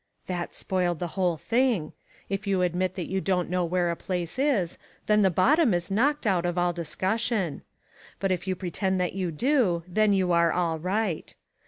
That spoiled the whole thing. If you admit that you don't know where a place is, then the bottom is knocked out of all discussion. But if you pretend that you do, then you are all right.